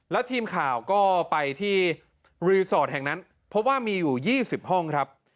แล้วทีมข่าวก็ไปที่รีสอร์ทแห่งนั้นพบว่ามีอยู่๒๐ห้องครับ